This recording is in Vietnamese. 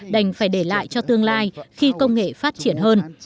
đành phải để lại cho tương lai khi công nghệ phát triển hơn